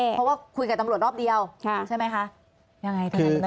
เพราะว่าคุยกับตำรวจรอบเดียวใช่ไหมคะ